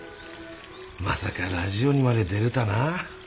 まさかラジオにまで出るたぁな。